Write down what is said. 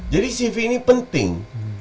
jadi cv ini penting